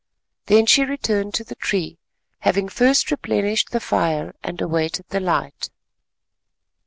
Then she returned to the tree, having first replenished the fire, and awaited the light.